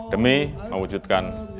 demi mewujudkan kemampuan